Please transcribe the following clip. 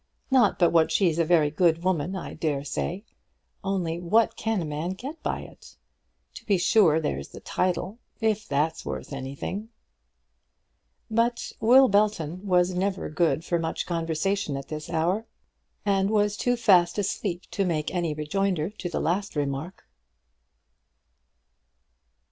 Not but what she's a very good woman, I dare say; only what can a man get by it? To be sure there's the title, if that's worth anything." But Will Belton was never good for much conversation at this hour, and was too fast asleep to make any rejoinder to the last remark.